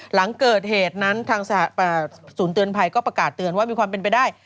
หลังเกิดเหตุนั้นทางศูนย์เตือนภัยก็ประกาศเตือนว่ามีความเป็นไปได้